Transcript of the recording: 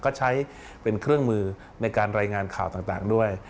ก็ใช้เป็นเครื่องมือในการรายงานข่าวต่างด้วย